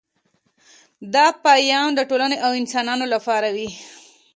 دا پیام د ټولنې او انسانانو لپاره وي